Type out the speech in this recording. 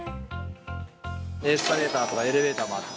エスカレーターとかエレベーターもあって。